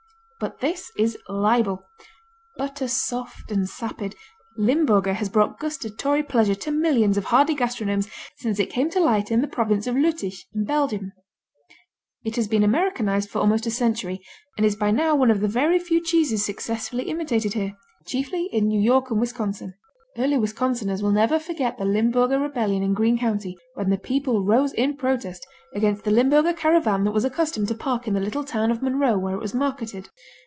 But this is libel. Butter soft and sapid, Limburger has brought gustatory pleasure to millions of hardy gastronomes since it came to light in the province of Lüttich in Belgium. It has been Americanized for almost a century and is by now one of the very few cheeses successfully imitated here, chiefly in New York and Wisconsin. Early Wisconsiners will never forget the Limburger Rebellion in Green County, when the people rose in protest against the Limburger caravan that was accustomed to park in the little town of Monroe where it was marketed.